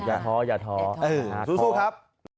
อย่าท้ออย่าท้อสู้สู้ครับ